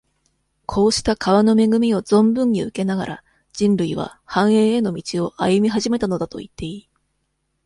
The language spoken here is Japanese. こうした川の恵みを存分に受けながら、人類は、繁栄への道を、歩み始めたのだといっていい。